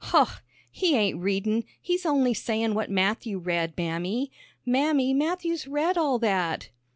'" "Hoh! He ain't readin'; he's only sayin' what Matthew read, Mammy. Mammy, Matthew's read all that."